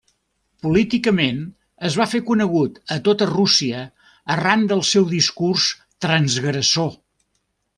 Políticament, es va fer conegut a tota Rússia arran del seu discurs transgressor.